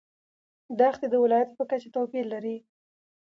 دښتې د ولایاتو په کچه توپیر لري.